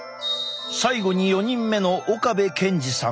最後に４人目の岡部賢治さん。